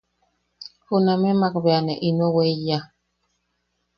Junameʼemak bea ne ino weiya.